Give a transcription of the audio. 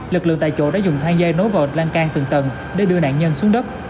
lực lượng tại chỗ đã dùng thang dây nối vọt lan can từng tầng để đưa nạn nhân xuống đất